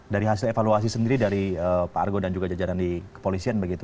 dari hasil evaluasi sendiri dari pak argo dan juga jajaran di kepolisian begitu